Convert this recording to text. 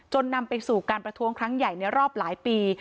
นำไปสู่การประท้วงครั้งใหญ่ในรอบหลายปี